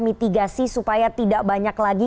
mitigasi supaya tidak banyak lagi